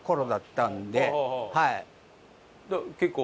結構？